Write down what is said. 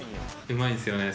うまいですよね